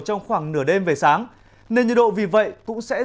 trong khoảng nửa đêm về sáng nên nhiệt độ vì vậy cũng sẽ giảm